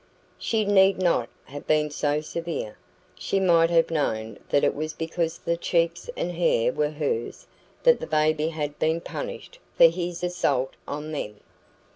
She need not have been so severe. She might have known that it was because the cheeks and hair were hers that the baby had been punished for his assault on them.